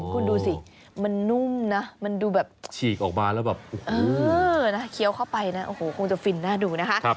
คุณดูสิมันนุ่มนะมันดูแบบฉีกออกมาแล้วแบบเคี้ยวเข้าไปนะโอ้โหคงจะฟินน่าดูนะคะ